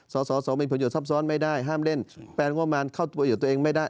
สอสอสอสอมีผลโยชน์ซับซ้อนไม่ได้ห้ามเล่นแปลงว่ามานเข้าโยชน์ตัวเองไม่ได้